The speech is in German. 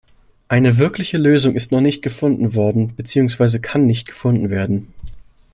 Eine wirkliche Lösung ist noch nicht gefunden worden beziehungsweise kann nicht gefunden werden.